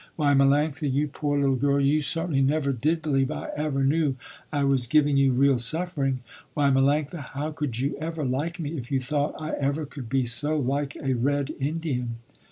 Why Melanctha, you poor little girl, you certainly never did believe I ever knew I was giving you real suffering. Why, Melanctha, how could you ever like me if you thought I ever could be so like a red Indian?"